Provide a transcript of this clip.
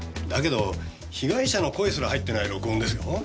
だけど被害者の声すら入ってない録音ですよ。